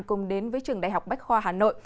cùng đến với trường đại học bách khoa hà nội